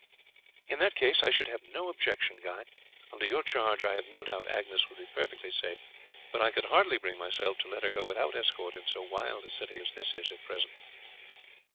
"In that case I should have no objection, Guy. Under your charge I have no doubt Agnes would be perfectly safe, but I could hardly bring myself to let her go out without escort in so wild a city as this is at present."